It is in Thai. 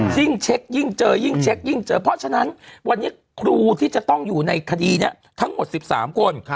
เช็คยิ่งเจอยิ่งเช็คยิ่งเจอเพราะฉะนั้นวันนี้ครูที่จะต้องอยู่ในคดีนี้ทั้งหมด๑๓คน